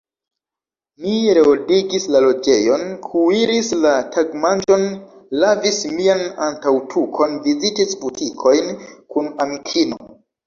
Mi reordigis la loĝejon, kuiris la tagmanĝon, lavis mian antaŭtukon, vizitis butikojn kun amikino.